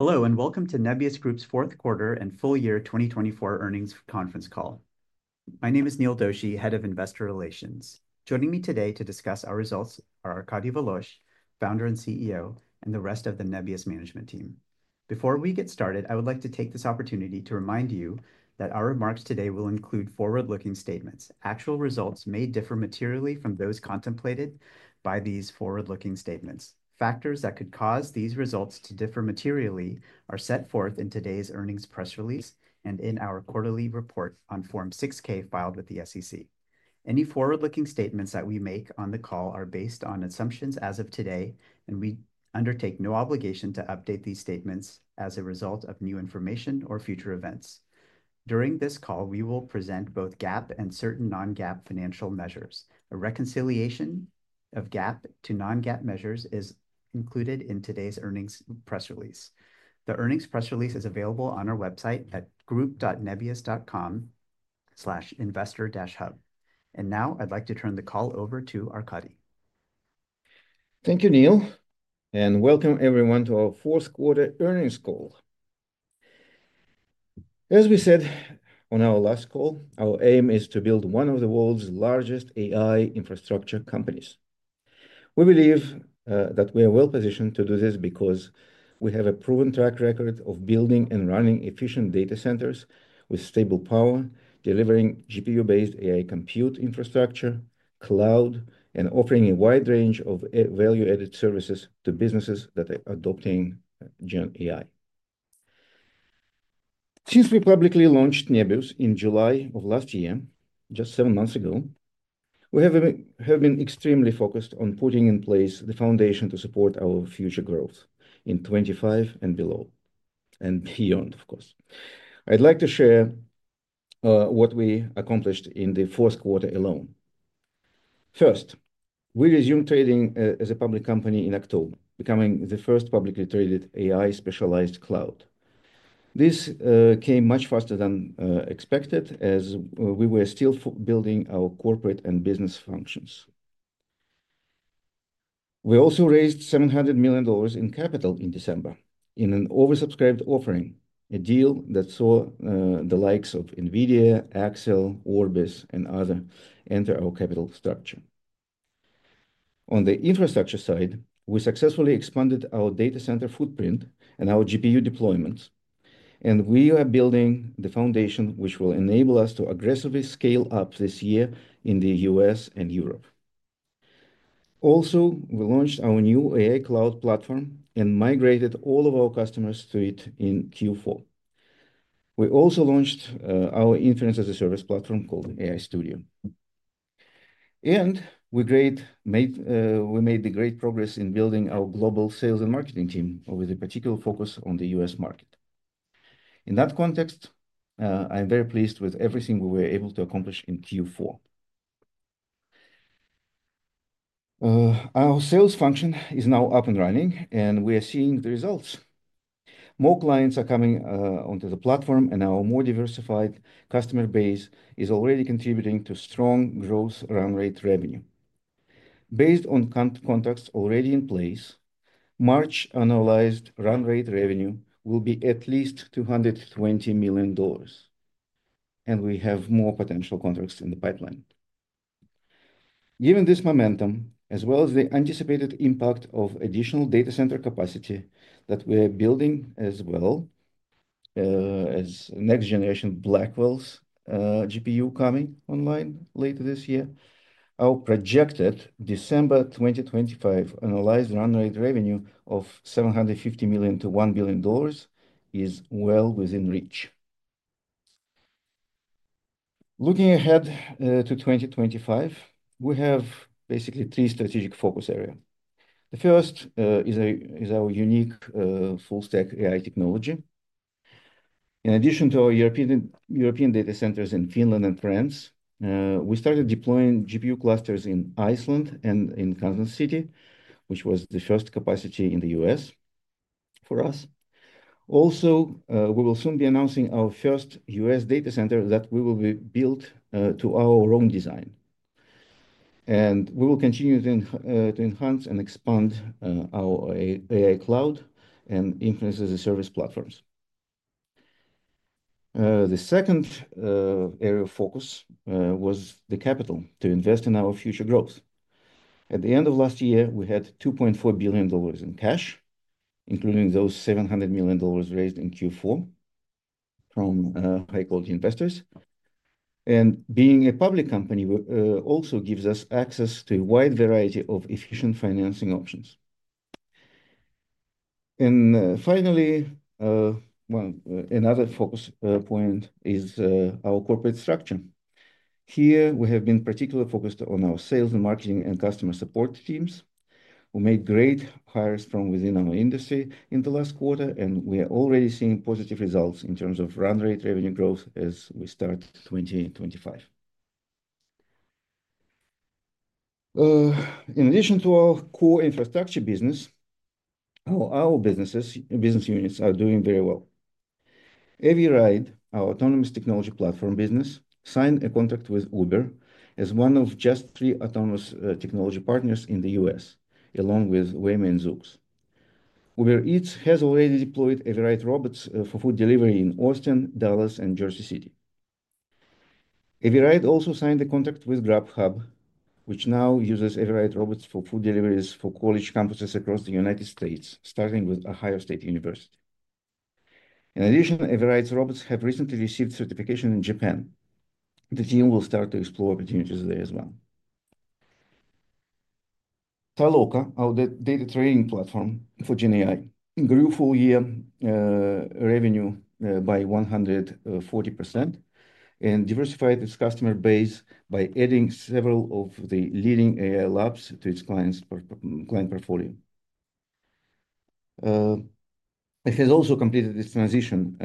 Hello and welcome to Nebius Group's fourth quarter and full year 2024 earnings conference call. My name is Neil Doshi, Head of Investor Relations. Joining me today to discuss our results are Arkady Volozh, Founder and CEO, and the rest of the Nebius management team. Before we get started, I would like to take this opportunity to remind you that our remarks today will include forward-looking statements. Actual results may differ materially from those contemplated by these forward-looking statements. Factors that could cause these results to differ materially are set forth in today's earnings press release and in our quarterly report on Form 6-K filed with the SEC. Any forward-looking statements that we make on the call are based on assumptions as of today, and we undertake no obligation to update these statements as a result of new information or future events. During this call, we will present both GAAP and certain non-GAAP financial measures. A reconciliation of GAAP to non-GAAP measures is included in today's earnings press release. The earnings press release is available on our website at group.nebius.com/investor-hub, and now I'd like to turn the call over to Arkady. Thank you, Neil, and welcome everyone to our fourth quarter earnings call. As we said on our last call, our aim is to build one of the world's largest AI infrastructure companies. We believe that we are well positioned to do this because we have a proven track record of building and running efficient data centers with stable power, delivering GPU-based AI compute infrastructure, cloud, and offering a wide range of value-added services to businesses that are adopting GenAI. Since we publicly launched Nebius in July of last year, just seven months ago, we have been extremely focused on putting in place the foundation to support our future growth in 2025 and beyond, of course. I'd like to share what we accomplished in the fourth quarter alone. First, we resumed trading as a public company in October, becoming the first publicly traded AI specialized cloud. This came much faster than expected as we were still building our corporate and business functions. We also raised $700 million in capital in December in an oversubscribed offering, a deal that saw the likes of Nvidia, Accel, Orbis, and others enter our capital structure. On the infrastructure side, we successfully expanded our data center footprint and our GPU deployments, and we are building the foundation which will enable us to aggressively scale up this year in the U.S. and Europe. Also, we launched our new AI cloud platform and migrated all of our customers to it in Q4. We also launched our inference as a service platform called AI Studio. And we made the great progress in building our global sales and marketing team with a particular focus on the U.S. market. In that context, I'm very pleased with everything we were able to accomplish in Q4. Our sales function is now up and running, and we are seeing the results. More clients are coming onto the platform, and our more diversified customer base is already contributing to strong growth run rate revenue. Based on contacts already in place, March annualized run rate revenue will be at least $220 million, and we have more potential contracts in the pipeline. Given this momentum, as well as the anticipated impact of additional data center capacity that we are building, as well as next-generation Blackwell GPUs coming online later this year, our projected December 2025 annualized run rate revenue of $750 million-$1 billion is well within reach. Looking ahead to 2025, we have basically three strategic focus areas. The first is our unique full-stack AI technology. In addition to our European data centers in Finland and France, we started deploying GPU clusters in Iceland and in Kansas City, which was the first capacity in the U.S. for us. Also, we will soon be announcing our first U.S. data center that we will build to our own design, and we will continue to enhance and expand our AI cloud and inference as a service platforms. The second area of focus was the capital to invest in our future growth. At the end of last year, we had $2.4 billion in cash, including those $700 million raised in Q4 from high-quality investors, and being a public company also gives us access to a wide variety of efficient financing options, and finally, another focus point is our corporate structure. Here, we have been particularly focused on our sales and marketing and customer support teams. We made great hires from within our industry in the last quarter, and we are already seeing positive results in terms of run rate revenue growth as we start 2025. In addition to our core infrastructure business, our business units are doing very well. Avride, our autonomous technology platform business, signed a contract with Uber as one of just three autonomous technology partners in the U.S., along with Waymo and Zoox. Uber Eats has already deployed Avride robots for food delivery in Austin, Dallas, and Jersey City. Avride also signed a contract with Grubhub, which now uses Avride robots for food deliveries for college campuses across the United States, starting with Ohio State University. In addition, Avride's robots have recently received certification in Japan. The team will start to explore opportunities there as well. Toloka, our data training platform for GenAI, grew full year revenue by 140% and diversified its customer base by adding several of the leading AI labs to its client portfolio. It has also completed its transition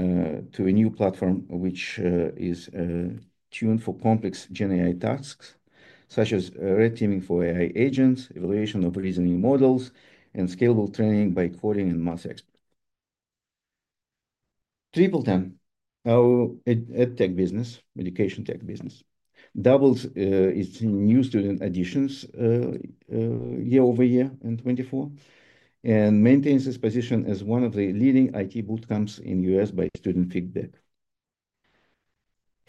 to a new platform, which is tuned for complex GenAI tasks, such as red teaming for AI agents, evaluation of reasoning models, and scalable training by crowdsourcing and mass experts. TripleTen, our ed tech business, education tech business, doubles its new student additions year-over-year in 2024 and maintains its position as one of the leading IT bootcamps in the U.S. by student feedback.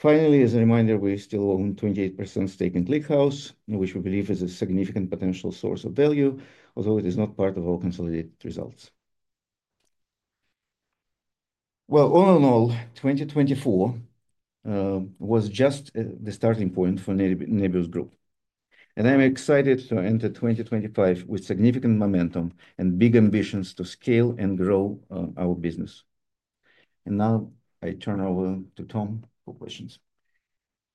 Finally, as a reminder, we still own 28% stake in ClickHouse, which we believe is a significant potential source of value, although it is not part of our consolidated results. Well, all in all, 2024 was just the starting point for Nebius Group. I'm excited to enter 2025 with significant momentum and big ambitions to scale and grow our business. Now I turn over to Tom for questions.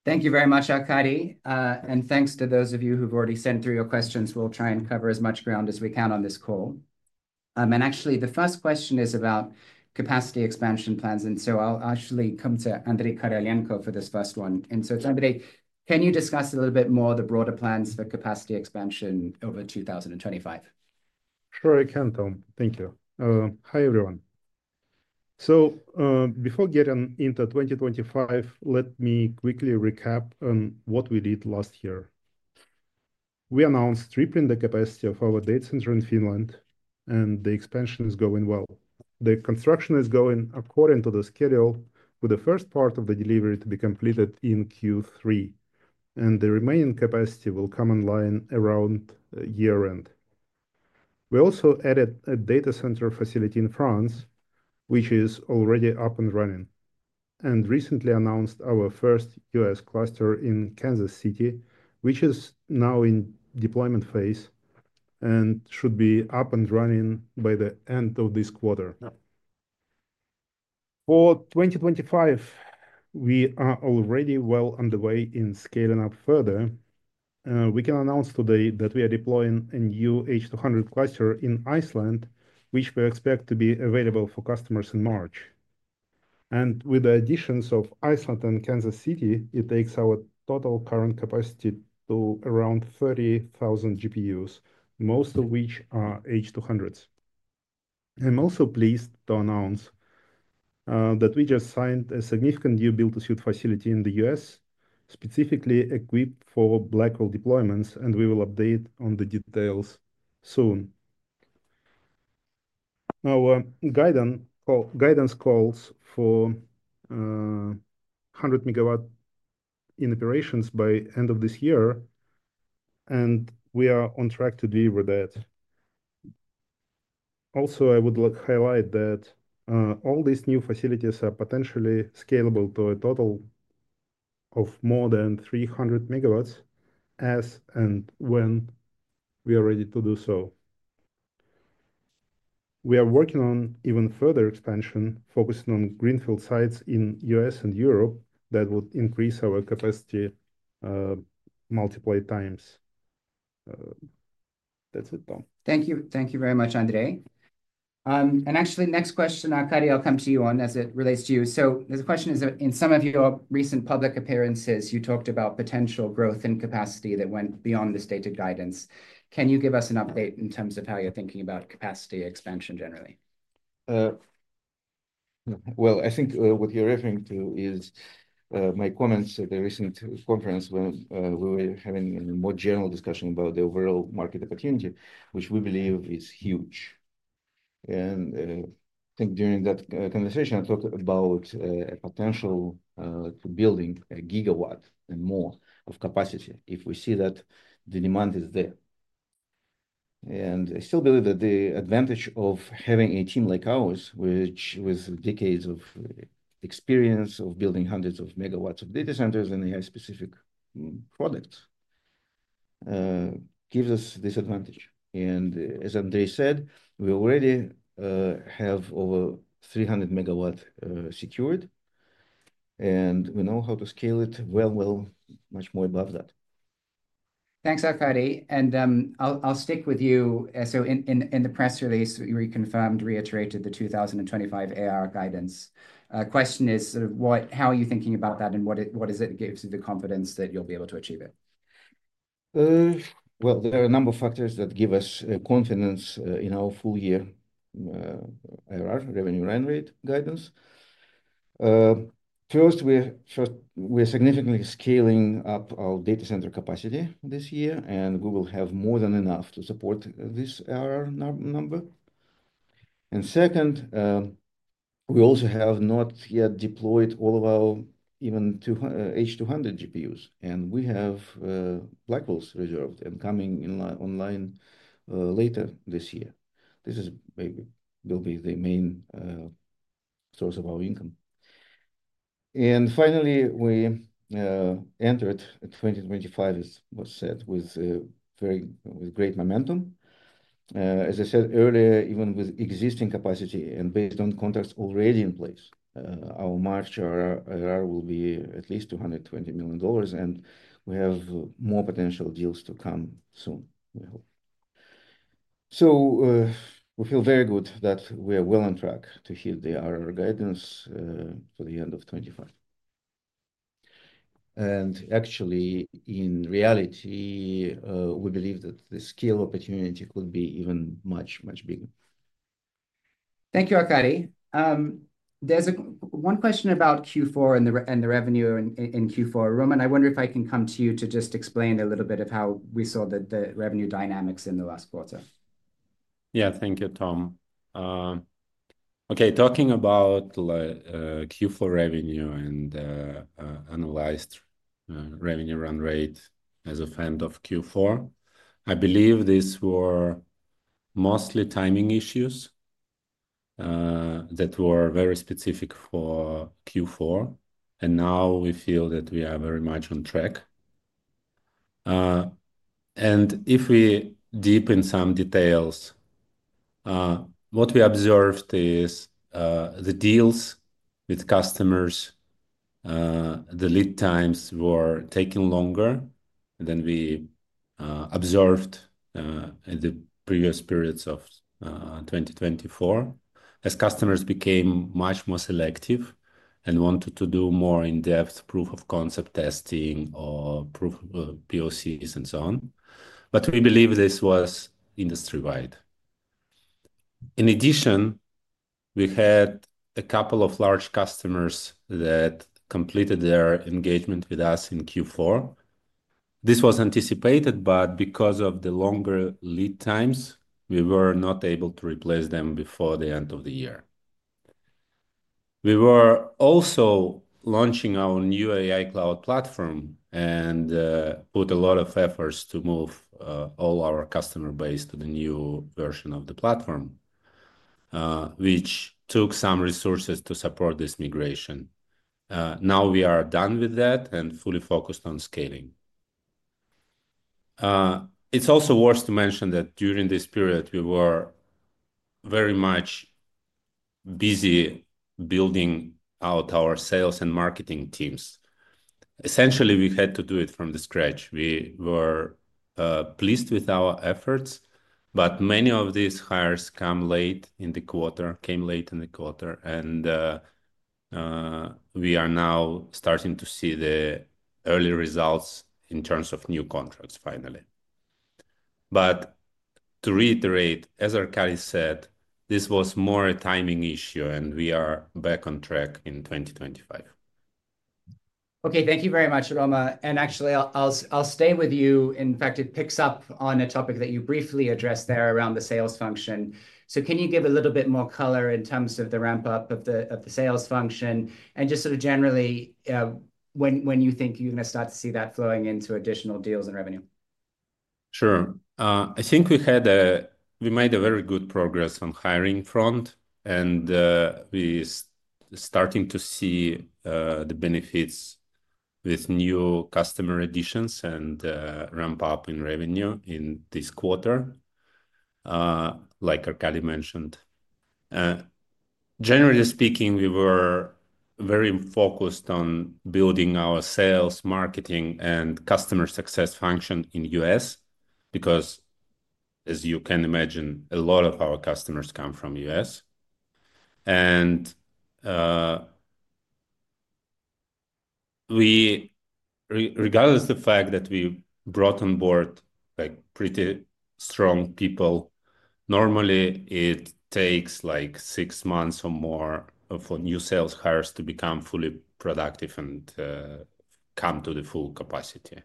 Thank you very much, Arkady, and thanks to those of you who've already sent through your questions. We'll try and cover as much ground as we can on this call. Actually, the first question is about capacity expansion plans. So I'll actually come to Andrey Korolenko for this first one. So, Andrey, can you discuss a little bit more the broader plans for capacity expansion over 2025? Sure, I can, Tom. Thank you. Hi, everyone. So before getting into 2025, let me quickly recap what we did last year. We announced tripling the capacity of our data center in Finland, and the expansion is going well. The construction is going according to the schedule, with the first part of the delivery to be completed in Q3, and the remaining capacity will come online around year-end. We also added a data center facility in France, which is already up and running, and recently announced our first U.S. cluster in Kansas City, which is now in deployment phase and should be up and running by the end of this quarter. For 2025, we are already well underway in scaling up further. We can announce today that we are deploying a new H200 cluster in Iceland, which we expect to be available for customers in March. With the additions of Iceland and Kansas City, it takes our total current capacity to around 30,000 GPUs, most of which are H200s. I'm also pleased to announce that we just signed a significant new build-to-suit facility in the U.S., specifically equipped for Blackwell deployments, and we will update on the details soon. Our guidance calls for 100 megawatts in operations by the end of this year, and we are on track to deliver that. Also, I would like to highlight that all these new facilities are potentially scalable to a total of more than 300 megawatts as and when we are ready to do so. We are working on even further expansion, focusing on greenfield sites in the U.S. and Europe that would increase our capacity multiple times. That's it, Tom. Thank you. Thank you very much, Andrey. And actually, next question, Arkady, I'll come to you on as it relates to you. So the question is, in some of your recent public appearances, you talked about potential growth in capacity that went beyond the stated guidance. Can you give us an update in terms of how you're thinking about capacity expansion generally? I think what you're referring to is my comments at the recent conference when we were having a more general discussion about the overall market opportunity, which we believe is huge. And I think during that conversation, I talked about a potential to building a gigawatt and more of capacity if we see that the demand is there. And I still believe that the advantage of having a team like ours, with decades of experience of building hundreds of megawatts of data centers and AI-specific products, gives us this advantage. And as Andrey said, we already have over 300 megawatts secured, and we know how to scale it well, much more above that. Thanks, Arkady. And I'll stick with you. So in the press release, we reconfirmed, reiterated the 2025 ARR guidance. Question is, how are you thinking about that, and what does it give you the confidence that you'll be able to achieve it? There are a number of factors that give us confidence in our full year ARR revenue run rate guidance. First, we are significantly scaling up our data center capacity this year, and we will have more than enough to support this ARR number. Second, we also have not yet deployed all of our even H200 GPUs, and we have Blackwells reserved and coming online later this year. This will be the main source of our income. Finally, we entered 2025, as was said, with great momentum. As I said earlier, even with existing capacity and based on contracts already in place, our March ARR will be at least $220 million, and we have more potential deals to come soon, we hope. We feel very good that we are well on track to hit the ARR guidance for the end of 2025. Actually, in reality, we believe that the scale opportunity could be even much, much bigger. Thank you, Arkady. There's one question about Q4 and the revenue in Q4. Roman, I wonder if I can come to you to just explain a little bit of how we saw the revenue dynamics in the last quarter. Yeah, thank you, Tom. Okay, talking about Q4 revenue and annualized revenue run rate as of end of Q4, I believe these were mostly timing issues that were very specific for Q4, and now we feel that we are very much on track, and if we deepen some details, what we observed is the deals with customers, the lead times were taking longer than we observed in the previous periods of 2024, as customers became much more selective and wanted to do more in-depth proof-of-concept testing or proof POCs and so on, but we believe this was industry-wide. In addition, we had a couple of large customers that completed their engagement with us in Q4. This was anticipated, but because of the longer lead times, we were not able to replace them before the end of the year. We were also launching our new AI cloud platform and put a lot of efforts to move all our customer base to the new version of the platform, which took some resources to support this migration. Now we are done with that and fully focused on scaling. It's also worth to mention that during this period, we were very much busy building out our sales and marketing teams. Essentially, we had to do it from scratch. We were pleased with our efforts, but many of these hires came late in the quarter and we are now starting to see the early results in terms of new contracts finally. But to reiterate, as Arkady said, this was more a timing issue, and we are back on track in 2025. Okay, thank you very much, Roman. And actually, I'll stay with you. In fact, it picks up on a topic that you briefly addressed there around the sales function. So can you give a little bit more color in terms of the ramp-up of the sales function and just sort of generally when you think you're going to start to see that flowing into additional deals and revenue? Sure. I think we made very good progress on the hiring front, and we are starting to see the benefits with new customer additions and ramp-up in revenue in this quarter, like Arkady mentioned. Generally speaking, we were very focused on building our sales, marketing, and customer success function in the U.S. because, as you can imagine, a lot of our customers come from the U.S., and regardless of the fact that we brought on board pretty strong people, normally it takes like six months or more for new sales hires to become fully productive and come to the full capacity,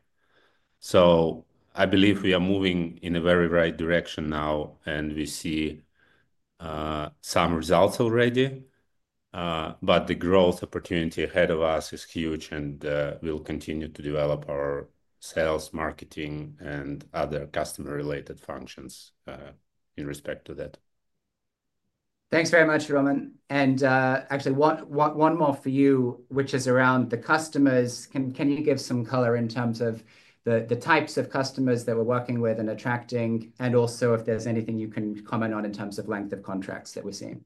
so I believe we are moving in a very right direction now, and we see some results already, but the growth opportunity ahead of us is huge, and we'll continue to develop our sales, marketing, and other customer-related functions in respect to that. Thanks very much, Roman. And actually, one more for you, which is around the customers. Can you give some color in terms of the types of customers that we're working with and attracting, and also if there's anything you can comment on in terms of length of contracts that we're seeing?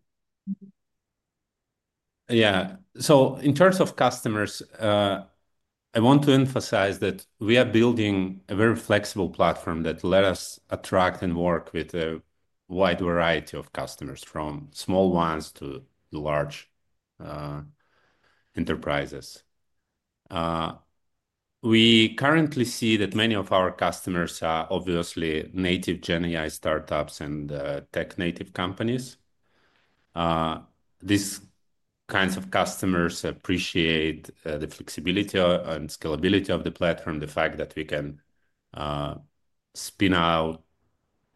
Yeah, so in terms of customers, I want to emphasize that we are building a very flexible platform that lets us attract and work with a wide variety of customers, from small ones to large enterprises. We currently see that many of our customers are obviously native GenAI startups and tech-native companies. These kinds of customers appreciate the flexibility and scalability of the platform, the fact that we can spin out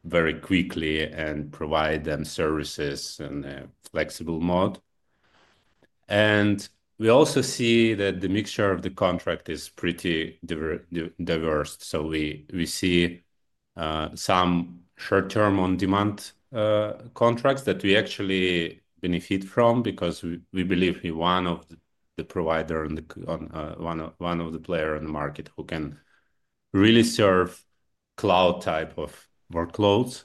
very quickly and provide them services in a flexible mode, and we also see that the mixture of the contract is pretty diverse, so we see some short-term on-demand contracts that we actually benefit from because we believe we have one of the providers and one of the players in the market who can really serve cloud-type workloads.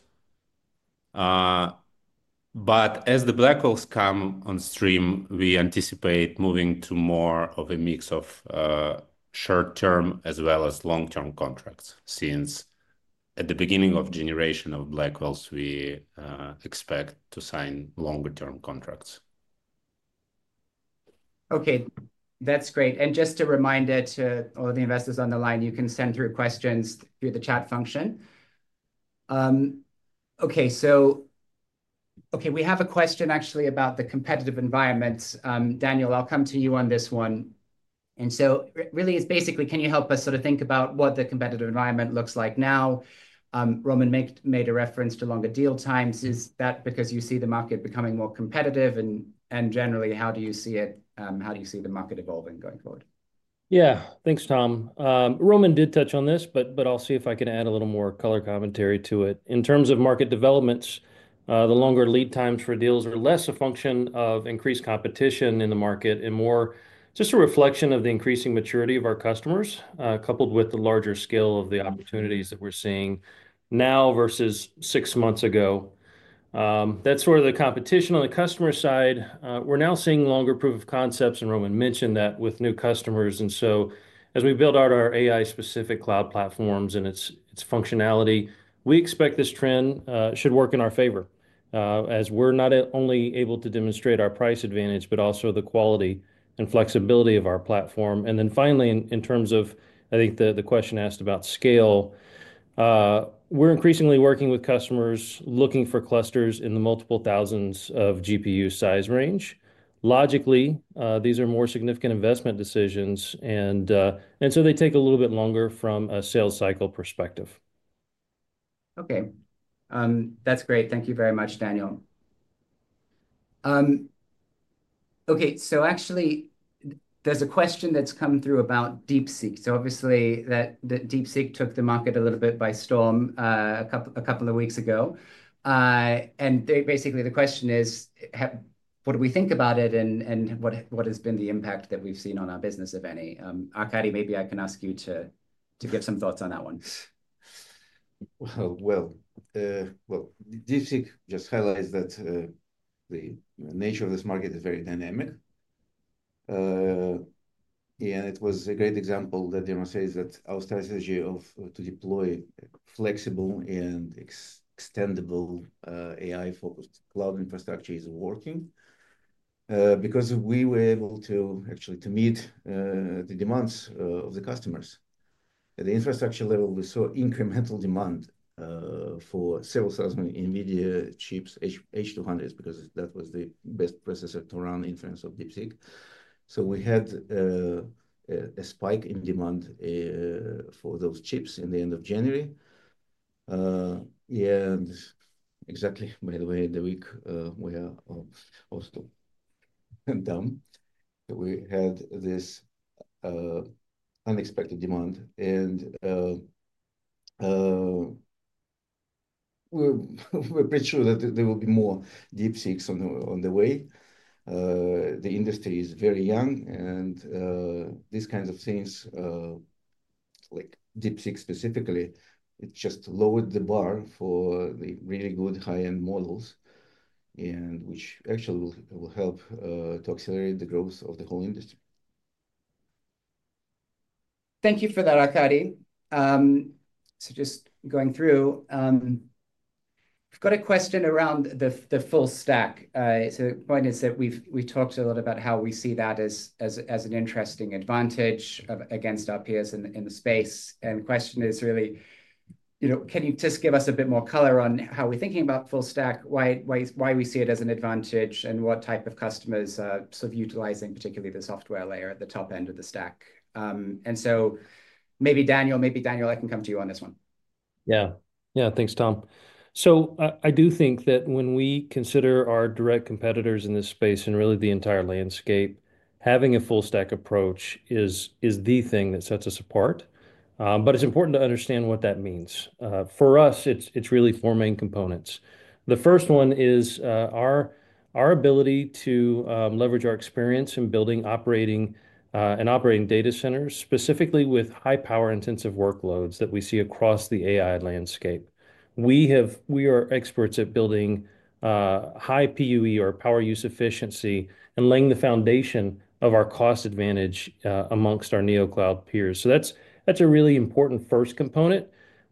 But as the Blackwells come on stream, we anticipate moving to more of a mix of short-term as well as long-term contracts since at the beginning of the generation of Blackwells, we expect to sign longer-term contracts. Okay, that's great, and just to remind all of the investors on the line, you can send through questions through the chat function. Okay, so we have a question actually about the competitive environment. Daniel, I'll come to you on this one, and so really, it's basically, can you help us sort of think about what the competitive environment looks like now? Roman made a reference to longer deal times. Is that because you see the market becoming more competitive? And generally, how do you see it? How do you see the market evolving going forward? Yeah, thanks, Tom. Roman did touch on this, but I'll see if I can add a little more color commentary to it. In terms of market developments, the longer lead times for deals are less a function of increased competition in the market and more just a reflection of the increasing maturity of our customers, coupled with the larger scale of the opportunities that we're seeing now versus six months ago. That's sort of the competition on the customer side. We're now seeing longer proof of concepts, and Roman mentioned that with new customers. And so as we build out our AI-specific cloud platforms and its functionality, we expect this trend should work in our favor as we're not only able to demonstrate our price advantage, but also the quality and flexibility of our platform. And then finally, in terms of, I think the question asked about scale, we're increasingly working with customers looking for clusters in the multiple thousands of GPU size range. Logically, these are more significant investment decisions, and so they take a little bit longer from a sales cycle perspective. Okay, that's great. Thank you very much, Daniel. Okay, so actually, there's a question that's come through about DeepSeek. So obviously, DeepSeek took the market a little bit by storm a couple of weeks ago. And basically, the question is, what do we think about it, and what has been the impact that we've seen on our business, if any? Arkady, maybe I can ask you to give some thoughts on that one. DeepSeek just highlights that the nature of this market is very dynamic. It was a great example that Demyashkevich said that our strategy of deploying flexible and extendable AI-focused cloud infrastructure is working because we were able to actually meet the demands of the customers. At the infrastructure level, we saw incremental demand for several thousand Nvidia chips, H200s, because that was the best processor to run in terms of DeepSeek. We had a spike in demand for those chips in the end of January. Exactly, by the way, the week we are also done, we had this unexpected demand. We're pretty sure that there will be more DeepSeeks on the way. The industry is very young, and these kinds of things, like DeepSeek specifically, it just lowered the bar for the really good high-end models, which actually will help to accelerate the growth of the whole industry. Thank you for that, Arkady. So just going through, I've got a question around the full stack. So the point is that we've talked a lot about how we see that as an interesting advantage against our peers in the space. And the question is really, can you just give us a bit more color on how we're thinking about full stack, why we see it as an advantage, and what type of customers are sort of utilizing, particularly the software layer at the top end of the stack? And so maybe, Daniel, I can come to you on this one. Yeah, yeah, thanks, Tom. So I do think that when we consider our direct competitors in this space and really the entire landscape, having a full stack approach is the thing that sets us apart. But it's important to understand what that means. For us, it's really four main components. The first one is our ability to leverage our experience in building and operating data centers specifically with high power-intensive workloads that we see across the AI landscape. We are experts at building high PUE or power usage effectiveness and laying the foundation of our cost advantage amongst our Nebius cloud peers. So that's a really important first component.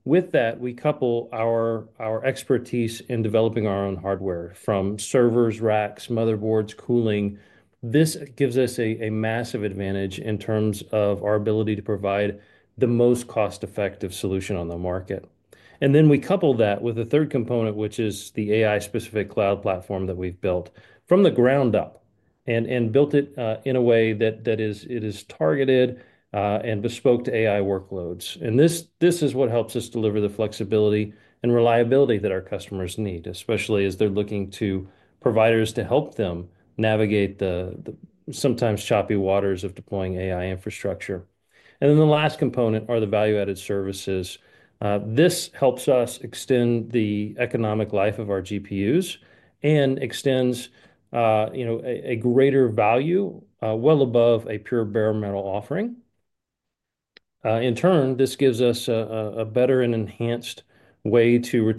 With that, we couple our expertise in developing our own hardware from servers, racks, motherboards, cooling. This gives us a massive advantage in terms of our ability to provide the most cost-effective solution on the market. And then we couple that with the third component, which is the AI-specific cloud platform that we've built from the ground up and built it in a way that it is targeted and bespoke to AI workloads. And this is what helps us deliver the flexibility and reliability that our customers need, especially as they're looking to providers to help them navigate the sometimes choppy waters of deploying AI infrastructure. And then the last component are the value-added services. This helps us extend the economic life of our GPUs and extends a greater value well above a pure bare metal offering. In turn, this gives us a better and enhanced way to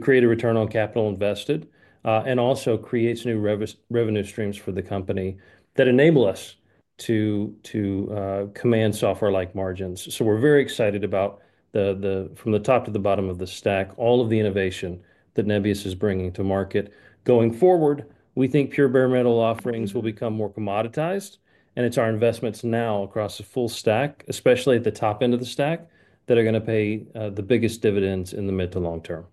create a return on capital invested and also creates new revenue streams for the company that enable us to command software-like margins. So we're very excited about from the top to the bottom of the stack, all of the innovation that Nebius is bringing to market. Going forward, we think pure bare metal offerings will become more commoditized, and it's our investments now across the full stack, especially at the top end of the stack, that are going to pay the biggest dividends in the mid to long term.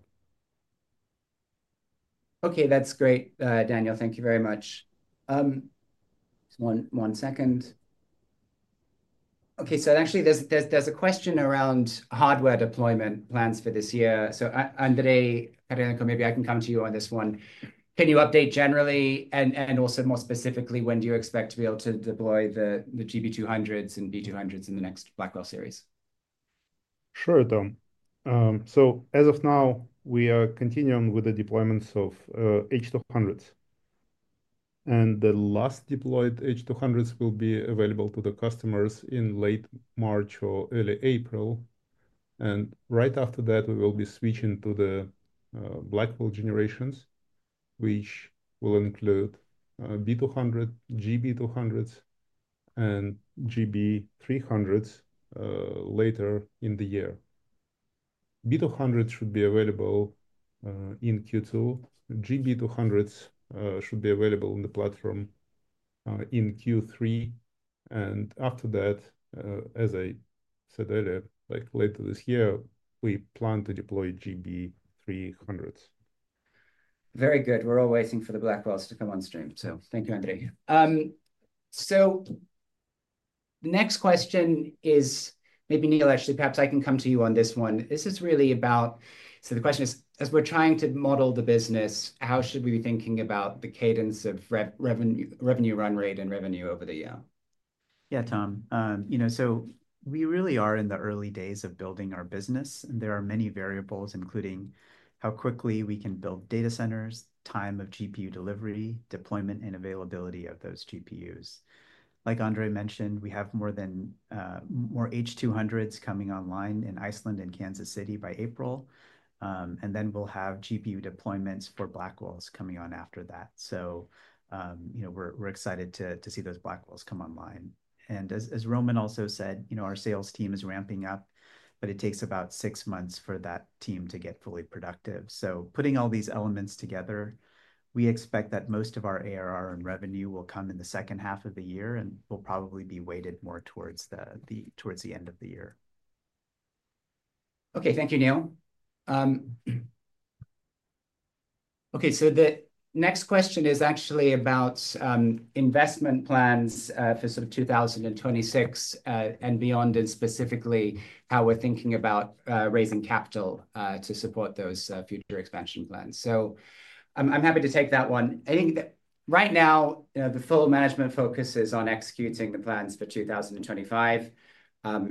Okay, that's great, Daniel. Thank you very much. One second. Okay, so actually, there's a question around hardware deployment plans for this year. So Andrey, maybe I can come to you on this one. Can you update generally and also more specifically, when do you expect to be able to deploy the GB200s and B200s in the next Blackwell series? Sure, Tom. So as of now, we are continuing with the deployments of H200s. And the last deployed H200s will be available to the customers in late March or early April. And right after that, we will be switching to the Blackwell generations, which will include B200, GB200s, and GB300s later in the year. B200s should be available in Q2. GB200s should be available on the platform in Q3. And after that, as I said earlier, like later this year, we plan to deploy GB300s. Very good. We're all waiting for the Blackwells to come on stream. So thank you, Andrey. So the next question is maybe, Neil, actually, perhaps I can come to you on this one. This is really about, so the question is, as we're trying to model the business, how should we be thinking about the cadence of revenue run rate and revenue over the year? Yeah, Tom. So we really are in the early days of building our business. There are many variables, including how quickly we can build data centers, time of GPU delivery, deployment, and availability of those GPUs. Like Andrey mentioned, we have more H200s coming online in Iceland and Kansas City by April. Then we'll have GPU deployments for Blackwells coming on after that. We're excited to see those Blackwells come online. As Roman also said, our sales team is ramping up, but it takes about six months for that team to get fully productive. Putting all these elements together, we expect that most of our ARR and revenue will come in the second half of the year, and we'll probably be weighted more towards the end of the year. Okay, thank you, Neil. Okay, so the next question is actually about investment plans for sort of 2026 and beyond, and specifically how we're thinking about raising capital to support those future expansion plans. So I'm happy to take that one. I think right now, the full management focus is on executing the plans for 2025.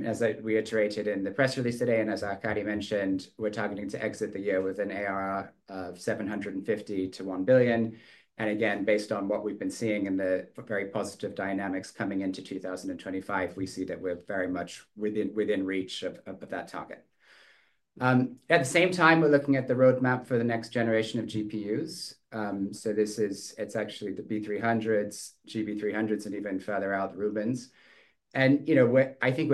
As I reiterated in the press release today, and as Arkady mentioned, we're targeting to exit the year with an ARR of $750 million to $1 billion. And again, based on what we've been seeing in the very positive dynamics coming into 2025, we see that we're very much within reach of that target. At the same time, we're looking at the roadmap for the next generation of GPUs. So this is, it's actually the B300s, GB300s, and even further out, Rubins. And I think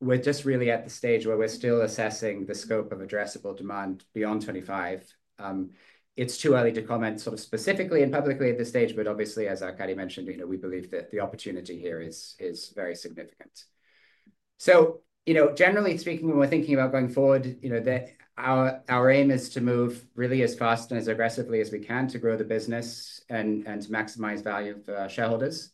we're just really at the stage where we're still assessing the scope of addressable demand beyond 2025. It's too early to comment sort of specifically and publicly at this stage, but obviously, as Arkady mentioned, we believe that the opportunity here is very significant. So generally speaking, when we're thinking about going forward, our aim is to move really as fast and as aggressively as we can to grow the business and to maximize value for our shareholders.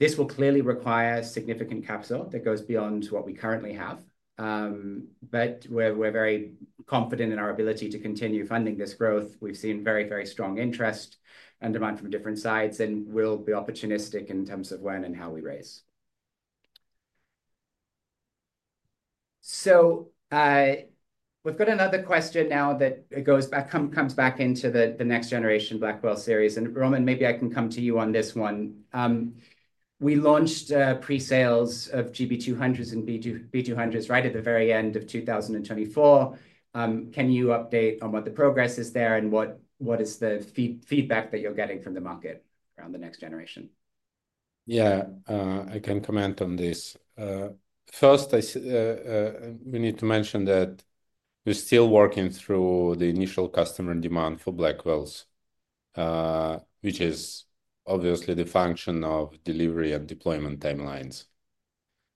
This will clearly require significant capital that goes beyond what we currently have. But we're very confident in our ability to continue funding this growth. We've seen very, very strong interest and demand from different sides, and we'll be opportunistic in terms of when and how we raise. So we've got another question now that comes back into the next generation Blackwell series. And Roman, maybe I can come to you on this one. We launched pre-sales of GB200s and B200s right at the very end of 2024. Can you update on what the progress is there and what is the feedback that you're getting from the market around the next generation? Yeah, I can comment on this. First, we need to mention that we're still working through the initial customer demand for Blackwells, which is obviously the function of delivery and deployment timelines,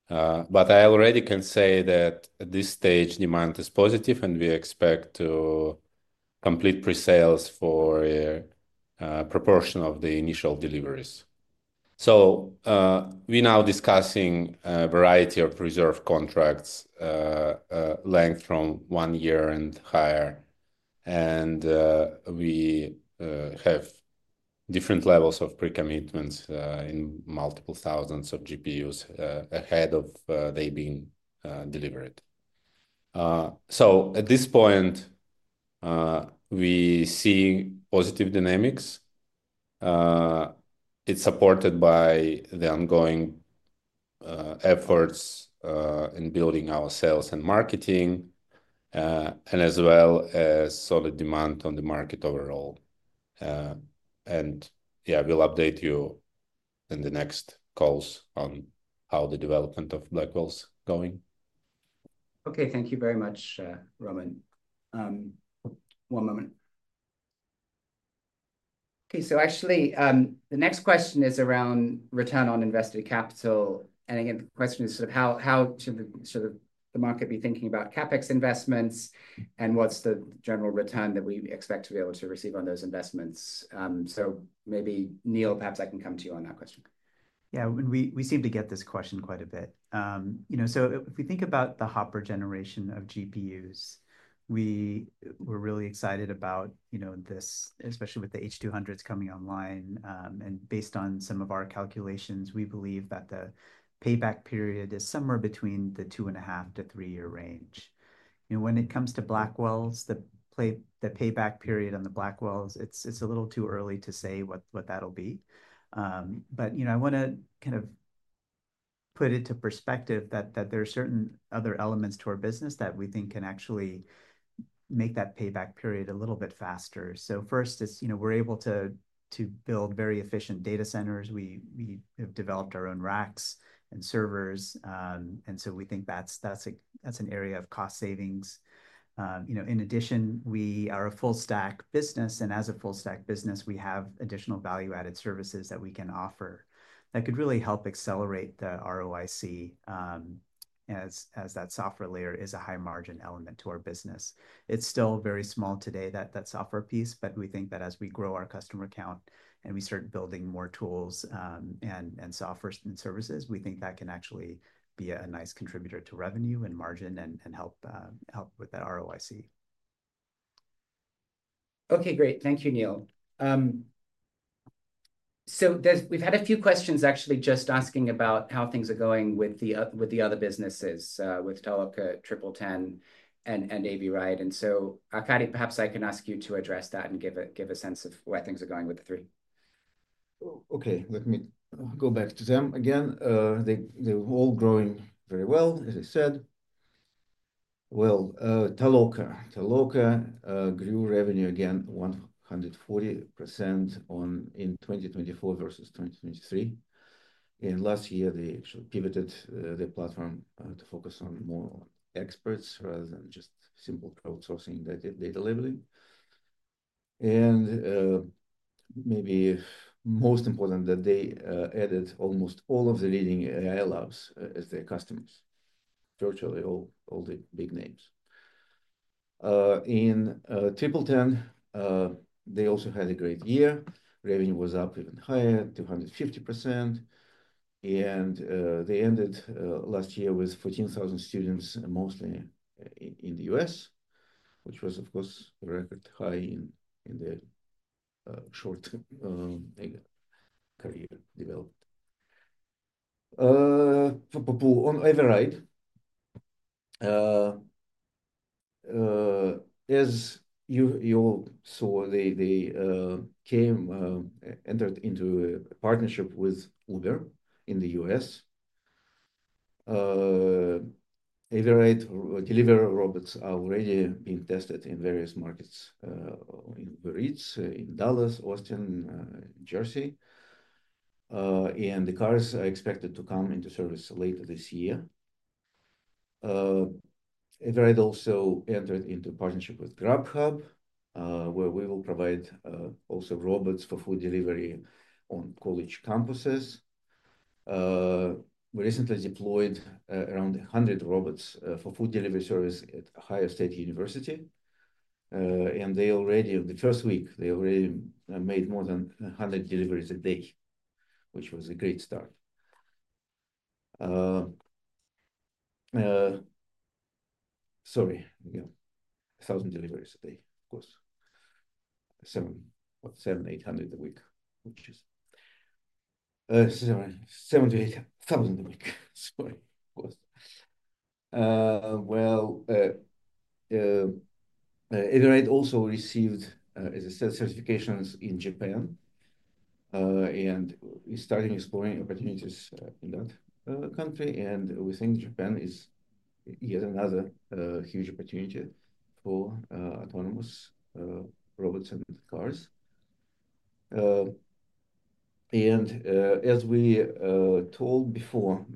but I already can say that at this stage, demand is positive, and we expect to complete pre-sales for a proportion of the initial deliveries, so we're now discussing a variety of reserve contract lengths from one year and higher. And we have different levels of pre-commitments in multiple thousands of GPUs ahead of them being delivered, so at this point, we see positive dynamics. It's supported by the ongoing efforts in building our sales and marketing, and as well as solid demand on the market overall, and yeah, we'll update you in the next calls on how the development of Blackwells is going. Okay, thank you very much, Roman. One moment. Okay, so actually, the next question is around return on invested capital. And again, the question is sort of how should the market be thinking about CapEx investments, and what's the general return that we expect to be able to receive on those investments? So maybe, Neil, perhaps I can come to you on that question. Yeah, we seem to get this question quite a bit. So if we think about the Hopper generation of GPUs, we were really excited about this, especially with the H200s coming online, and based on some of our calculations, we believe that the payback period is somewhere between the two and a half to three-year range. When it comes to Blackwells, the payback period on the Blackwells, it's a little too early to say what that'll be, but I want to kind of put it in perspective that there are certain other elements to our business that we think can actually make that payback period a little bit faster. We're able to build very efficient data centers. We have developed our own racks and servers. And so we think that's an area of cost savings. In addition, we are a full-stack business. As a full-stack business, we have additional value-added services that we can offer that could really help accelerate the ROIC as that software layer is a high-margin element to our business. It's still very small today, that software piece, but we think that as we grow our customer count and we start building more tools and software and services, we think that can actually be a nice contributor to revenue and margin and help with that ROIC. Okay, great. Thank you, Neil. So we've had a few questions actually just asking about how things are going with the other businesses with Toloka, TripleTen, and Avride. And so Arkady, perhaps I can ask you to address that and give a sense of where things are going with the three. Okay, let me go back to them again. They were all growing very well, as I said, well, Toloka grew revenue again, 140% in 2024 versus 2023, and last year, they actually pivoted the platform to focus on more experts rather than just simple crowdsourcing data labeling, and maybe most important, that they added almost all of the leading AI labs as their customers, virtually all the big names. In TripleTen, they also had a great year. Revenue was up even higher, 250%, and they ended last year with 14,000 students, mostly in the U.S., which was, of course, a record high in their short career development. On Avride, as you all saw, they entered into a partnership with Uber in the U.S. Avride delivery robots are already being tested in various markets in Dallas, Austin, Jersey. The cars are expected to come into service later this year. Avride also entered into a partnership with Grubhub, where we will provide also robots for food delivery on college campuses. We recently deployed around 100 robots for food delivery service at Ohio State University. They already, in the first week, they already made more than 100 deliveries a day, which was a great start. Sorry, 1,000 deliveries a day, of course. 7,800 a week, which is 7,800 a week. Sorry, of course. Avride also received certifications in Japan and is starting exploring opportunities in that country. We think Japan is yet another huge opportunity for autonomous robots and cars. As we told before,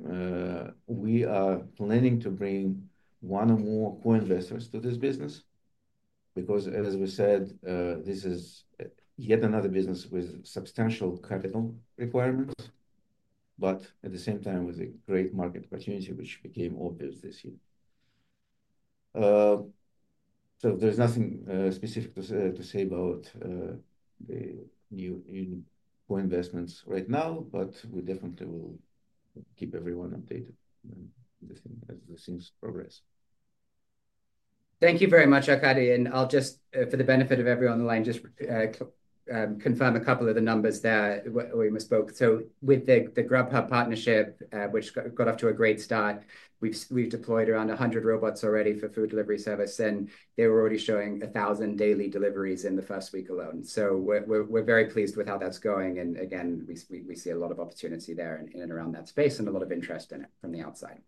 we are planning to bring one or more co-investors to this business because, as we said, this is yet another business with substantial capital requirements, but at the same time, with a great market opportunity, which became obvious this year. There's nothing specific to say about the new co-investments right now, but we definitely will keep everyone updated as the things progress. Thank you very much, Arkady. And I'll just, for the benefit of everyone on the line, just confirm a couple of the numbers that we misspoke. So with the Grubhub partnership, which got off to a great start, we've deployed around 100 robots already for food delivery service. And they were already showing 1,000 daily deliveries in the first week alone. So we're very pleased with how that's going. And again, we see a lot of opportunity there in and around that space and a lot of interest in it from the outside.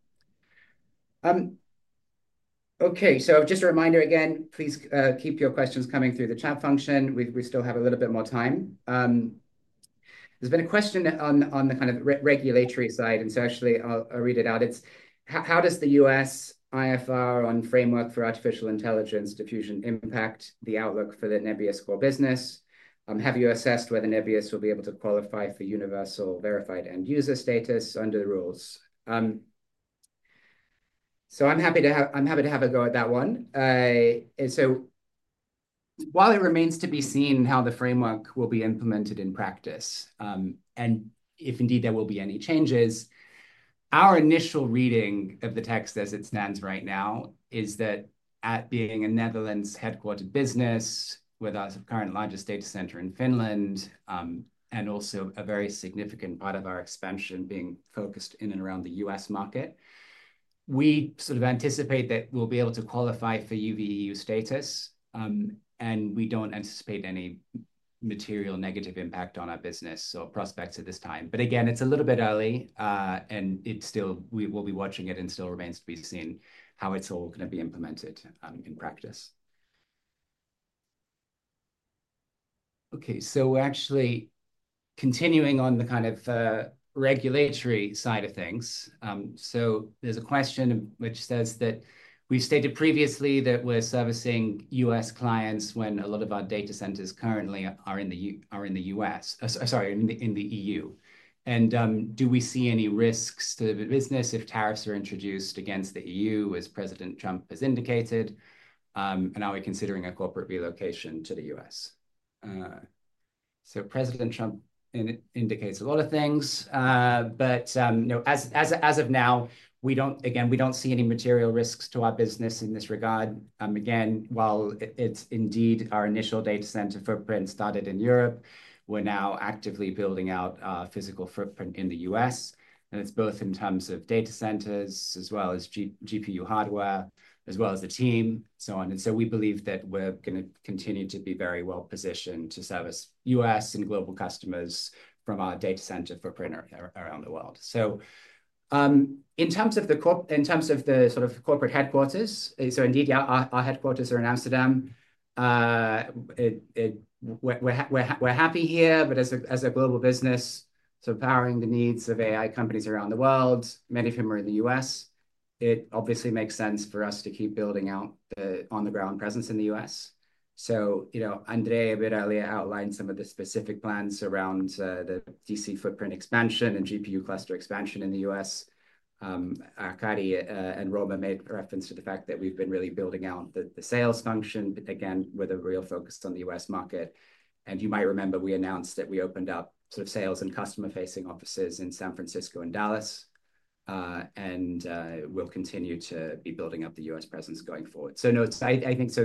Okay, so just a reminder again, please keep your questions coming through the chat function. We still have a little bit more time. There's been a question on the kind of regulatory side. And so actually, I'll read it out. How does the U.S. IFR on framework for artificial intelligence diffusion impact the outlook for the Nebius core business? Have you assessed whether Nebius will be able to qualify for Universal Verified End User status under the rules? So I'm happy to have a go at that one. So while it remains to be seen how the framework will be implemented in practice, and if indeed there will be any changes, our initial reading of the text as it stands right now is that, being a Netherlands-headquartered business with our current largest data center in Finland, and also a very significant part of our expansion being focused in and around the U.S. market, we sort of anticipate that we'll be able to qualify for UVEU status. And we don't anticipate any material negative impact on our business or prospects at this time. But again, it's a little bit early, and we'll be watching it, and still remains to be seen how it's all going to be implemented in practice. Okay, so actually continuing on the kind of regulatory side of things, so there's a question which says that we stated previously that we're servicing U.S. clients when a lot of our data centers currently are in the U.S., sorry, in the E.U. And do we see any risks to the business if tariffs are introduced against the E.U., as President Trump has indicated? And are we considering a corporate relocation to the U.S.? So President Trump indicates a lot of things. But as of now, again, we don't see any material risks to our business in this regard. Again, while it's indeed our initial data center footprint started in Europe, we're now actively building out our physical footprint in the U.S. It's both in terms of data centers as well as GPU hardware, as well as the team, so on. We believe that we're going to continue to be very well positioned to service U.S. and global customers from our data center footprint around the world. In terms of the sort of corporate headquarters, so indeed, our headquarters are in Amsterdam. We're happy here, but as a global business, so powering the needs of AI companies around the world, many of whom are in the U.S., it obviously makes sense for us to keep building out the on-the-ground presence in the U.S. Andrey a bit earlier outlined some of the specific plans around the DC footprint expansion and GPU cluster expansion in the U.S. Arkady and Roman made reference to the fact that we've been really building out the sales function, again, with a real focus on the U.S. market, and you might remember we announced that we opened up sort of sales and customer-facing offices in San Francisco and Dallas, and we'll continue to be building up the US presence going forward. So no, I think so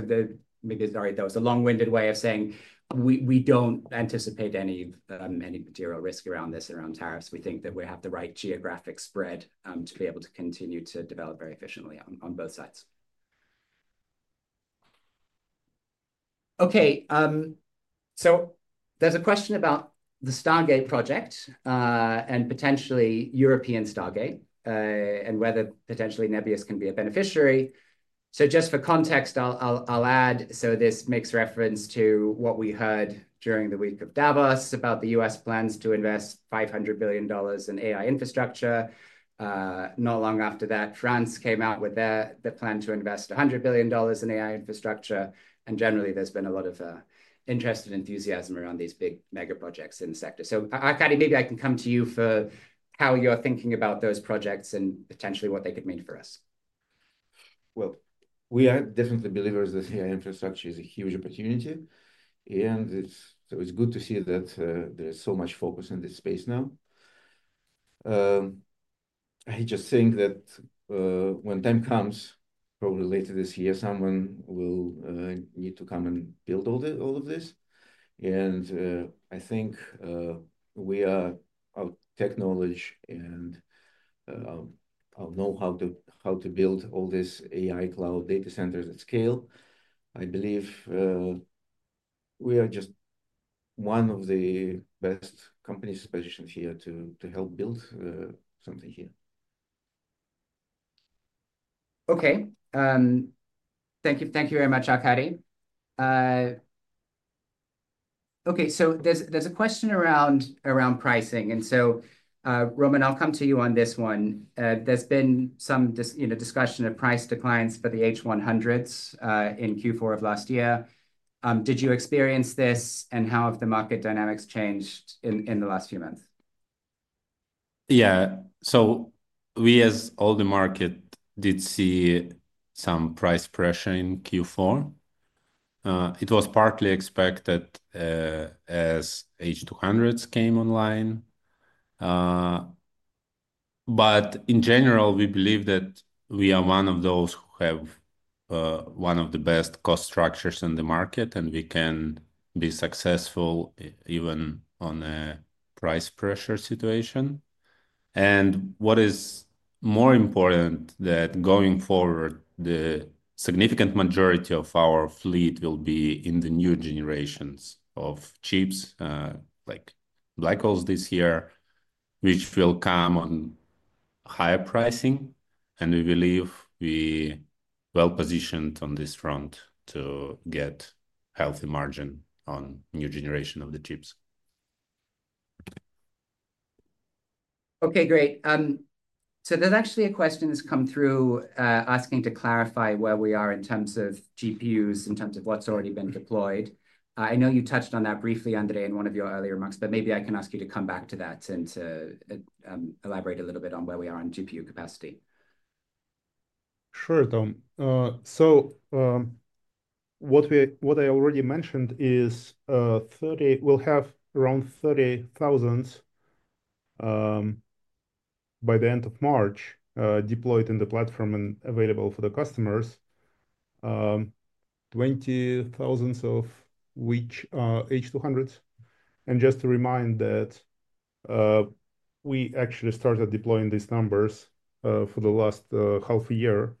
maybe there was a long-winded way of saying we don't anticipate any material risk around this, around tariffs. We think that we have the right geographic spread to be able to continue to develop very efficiently on both sides, okay, so there's a question about the Stargate project and potentially European Stargate and whether potentially Nebius can be a beneficiary. So just for context, I'll add, so this makes reference to what we heard during the week of Davos about the U.S. plans to invest $500 billion in AI infrastructure. Not long after that, France came out with the plan to invest $100 billion in AI infrastructure. And generally, there's been a lot of interest and enthusiasm around these big mega projects in the sector. So Arkady, maybe I can come to you for how you're thinking about those projects and potentially what they could mean for us. We are definitely believers that AI infrastructure is a huge opportunity. It's good to see that there is so much focus in this space now. I just think that when time comes, probably later this year, someone will need to come and build all of this. I think we are technologists and know how to build all these AI cloud data centers at scale. I believe we are just one of the best companies positioned here to help build something here. Okay, thank you very much, Arkady. Okay, so there's a question around pricing. And so Roman, I'll come to you on this one. There's been some discussion of price declines for the H100s in Q4 of last year. Did you experience this, and how have the market dynamics changed in the last few months? Yeah, so we, as all the market, did see some price pressure in Q4. It was partly expected as H200s came online. But in general, we believe that we are one of those who have one of the best cost structures in the market, and we can be successful even on a price pressure situation. And what is more important is that going forward, the significant majority of our fleet will be in the new generations of chips like Blackwell this year, which will come on higher pricing. And we believe we are well positioned on this front to get healthy margin on new generation of the chips. Okay, great. So there's actually a question that's come through asking to clarify where we are in terms of GPUs, in terms of what's already been deployed. I know you touched on that briefly, Andrey, in one of your earlier remarks, but maybe I can ask you to come back to that and to elaborate a little bit on where we are on GPU capacity. Sure, Tom. So what I already mentioned is we'll have around 30,000 by the end of March deployed in the platform and available for the customers, 20,000 of which are H200s, and just to remind that we actually started deploying these numbers for the last half a year,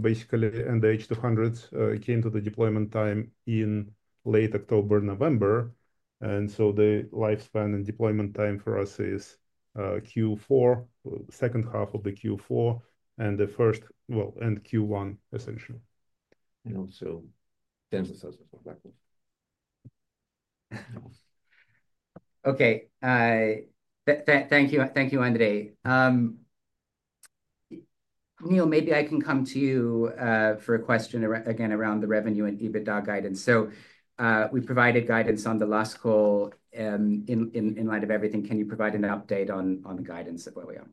basically, and the H200s came to the deployment time in late October, November, and so the lifespan and deployment time for us is Q4, second half of the Q4, and Q1, essentially. Also 10,000 for Blackwells. Okay, thank you, Andrey. Neil, maybe I can come to you for a question again around the revenue and EBITDA guidance. So we provided guidance on the last call. In light of everything, can you provide an update on the guidance of where we are?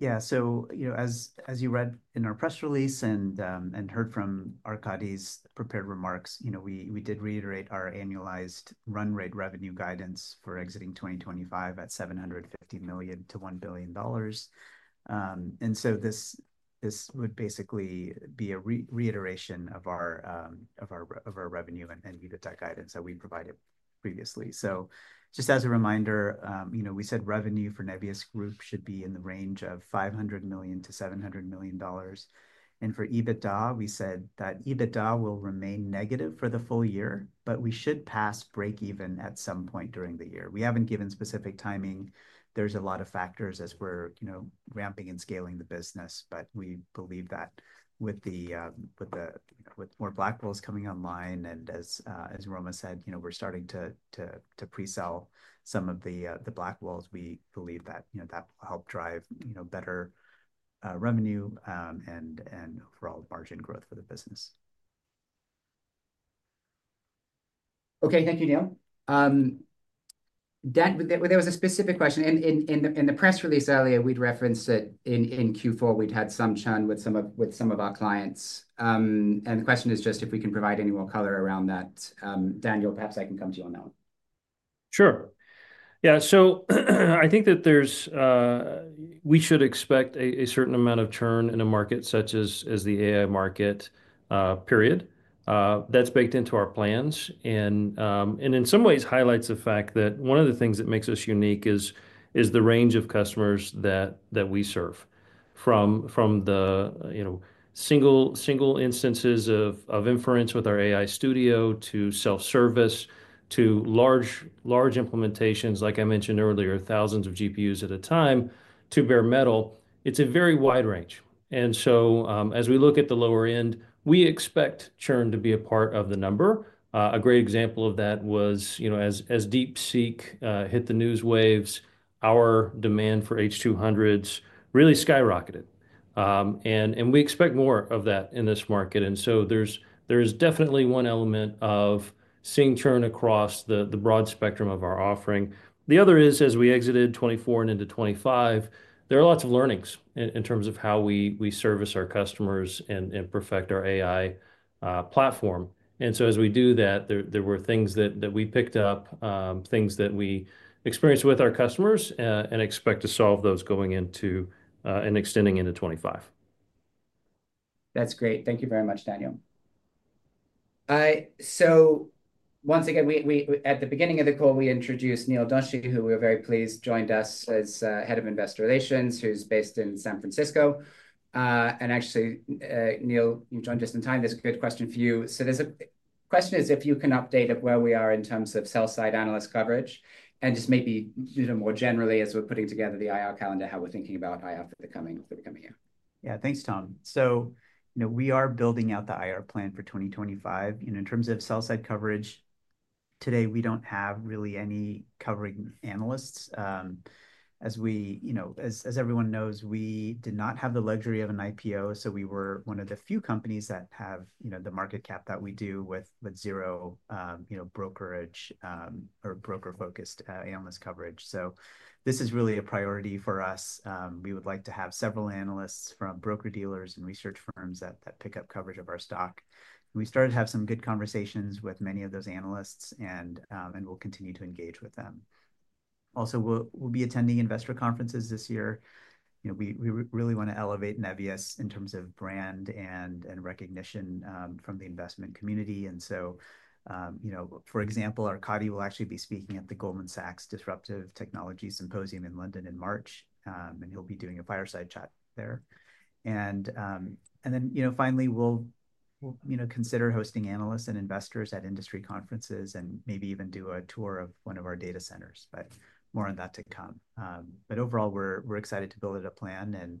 Yeah, so as you read in our press release and heard from Arkady's prepared remarks, we did reiterate our annualized run rate revenue guidance for exiting 2025 at $750 million-$1 billion. And so this would basically be a reiteration of our revenue and EBITDA guidance that we provided previously. So just as a reminder, we said revenue for Nebius Group should be in the range of $500 million-$700 million. And for EBITDA, we said that EBITDA will remain negative for the full year, but we should pass break-even at some point during the year. We haven't given specific timing. There's a lot of factors as we're ramping and scaling the business, but we believe that with more Blackwells coming online and as Roman said, we're starting to presell some of the Blackwells. We believe that that will help drive better revenue and overall margin growth for the business. Okay, thank you, Neil. There was a specific question. In the press release earlier, we'd referenced that in Q4, we'd had some churn with some of our clients. And the question is just if we can provide any more color around that. Daniel, perhaps I can come to you on that one. Sure. Yeah, so I think that we should expect a certain amount of churn in a market such as the AI market, period. That's baked into our plans and in some ways highlights the fact that one of the things that makes us unique is the range of customers that we serve. From the single instances of inference with our AI Studio to self-service to large implementations, like I mentioned earlier, thousands of GPUs at a time to bare metal, it's a very wide range. And so as we look at the lower end, we expect churn to be a part of the number. A great example of that was as DeepSeek hit the news waves, our demand for H200s really skyrocketed. And we expect more of that in this market. And so there's definitely one element of seeing churn across the broad spectrum of our offering. The other is as we exited 2024 and into 2025, there are lots of learnings in terms of how we service our customers and perfect our AI platform, and so as we do that, there were things that we picked up, things that we experienced with our customers and expect to solve those going into and extending into 2025. That's great. Thank you very much, Daniel. So once again, at the beginning of the call, we introduced Neil Doshi, who we're very pleased joined us as head of investor relations, who's based in San Francisco. And actually, Neil, you joined just in time. There's a good question for you. So the question is if you can update where we are in terms of sell-side analyst coverage. And just maybe more generally, as we're putting together the IR calendar, how we're thinking about IR for the coming year. Yeah, thanks, Tom. So we are building out the IR plan for 2025. In terms of sell-side coverage, today, we don't have really any covering analysts. As everyone knows, we did not have the luxury of an IPO. So we were one of the few companies that have the market cap that we do with zero brokerage or broker-focused analyst coverage. So this is really a priority for us. We would like to have several analysts from broker dealers and research firms that pick up coverage of our stock. We started to have some good conversations with many of those analysts and will continue to engage with them. Also, we'll be attending investor conferences this year. We really want to elevate Nebius in terms of brand and recognition from the investment community. And so, for example, Arkady will actually be speaking at the Goldman Sachs Disruptive Technology Symposium in London in March. And he'll be doing a fireside chat there. And then finally, we'll consider hosting analysts and investors at industry conferences and maybe even do a tour of one of our data centers. But more on that to come. But overall, we're excited to build out a plan and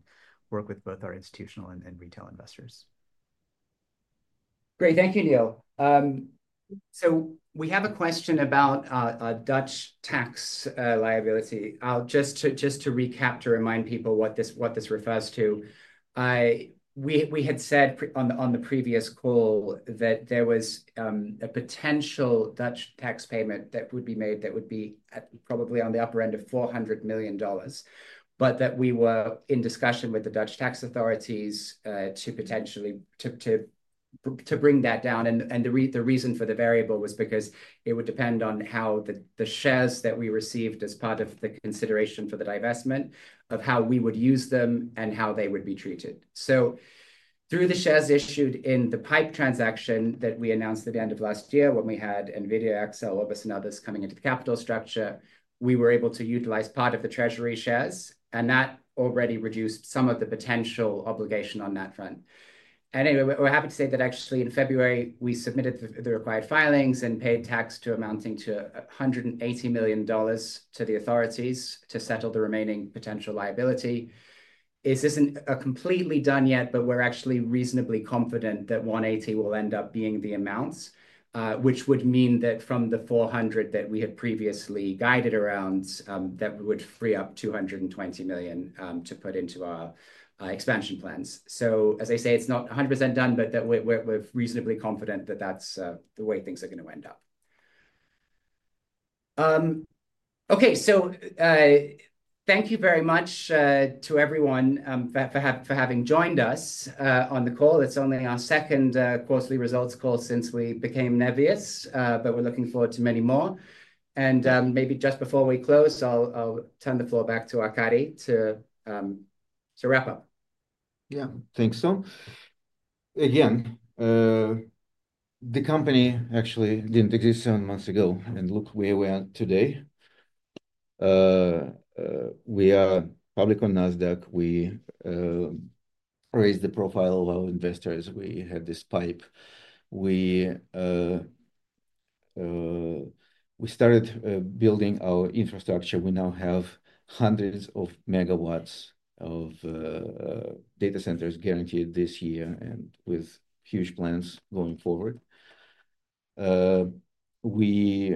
work with both our institutional and retail investors. Great, thank you, Neil. So we have a question about Dutch tax liability. Just to recap to remind people what this refers to, we had said on the previous call that there was a potential Dutch tax payment that would be made that would be probably on the upper end of $400 million, but that we were in discussion with the Dutch tax authorities to potentially bring that down. And the reason for the variable was because it would depend on how the shares that we received as part of the consideration for the divestment, of how we would use them and how they would be treated. So through the shares issued in the PIPE transaction that we announced at the end of last year when we had Nvidia, Accel, Orbis and others coming into the capital structure, we were able to utilize part of the treasury shares. That already reduced some of the potential obligation on that front. We're happy to say that actually in February, we submitted the required filings and paid taxes amounting to $180 million to the authorities to settle the remaining potential liability. This isn't completely done yet, but we're actually reasonably confident that $180 million will end up being the amount, which would mean that from the $400 million that we had previously guided around, that we would free up $220 million to put into our expansion plans. As I say, it's not 100% done, but we're reasonably confident that that's the way things are going to end up. Okay, so thank you very much to everyone for having joined us on the call. It's only our second quarterly results call since we became Nebius, but we're looking forward to many more. Maybe just before we close, I'll turn the floor back to Arkady to wrap up. Yeah, thanks, Tom. Again, the company actually didn't exist seven months ago, and look where we are today. We are public on Nasdaq. We raised the profile of our investors. We had this PIPE. We started building our infrastructure. We now have hundreds of megawatts of data centers guaranteed this year and with huge plans going forward. We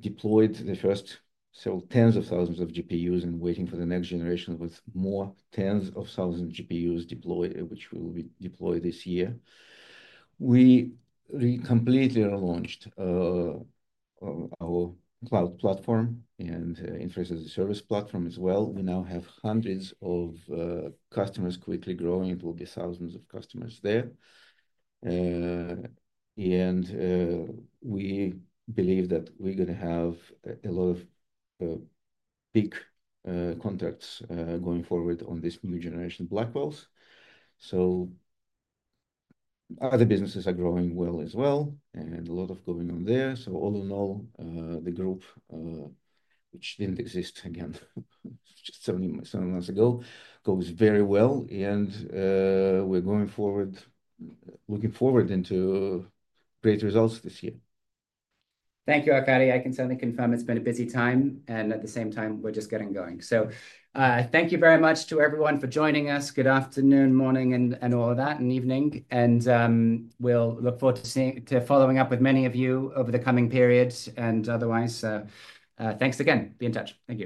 deployed the first several tens of thousands of GPUs and waiting for the next generation with more tens of thousands of GPUs deployed, which will be deployed this year. We completely relaunched our cloud platform and infrastructure service platform as well. We now have hundreds of customers quickly growing. It will be thousands of customers there, and we believe that we're going to have a lot of big contracts going forward on this new generation Blackwell, so other businesses are growing well as well and a lot of going on there. So all in all, the group, which didn't exist again just seven months ago, goes very well. And we're going forward, looking forward into great results this year. Thank you, Arkady. I can certainly confirm it's been a busy time. And at the same time, we're just getting going. So thank you very much to everyone for joining us. Good afternoon, morning, and all of that, and evening. And we'll look forward to following up with many of you over the coming period. And otherwise, thanks again. Be in touch. Thank you.